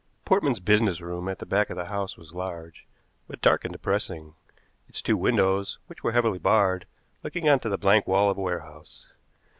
Portman's business room at the back of the house was large, but dark and depressing, its two windows, which were heavily barred, looking on to the blank wall of a warehouse.